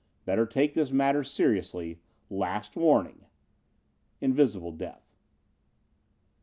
Better take this matter seriously. Last warning. Invisible Death.